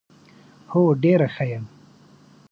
هو ډېره ښه یم .